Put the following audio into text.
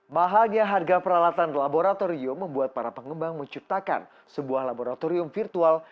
mahalnya harga peralatan laboratorium membuat para pengembang menciptakan sebuah laboratorium virtual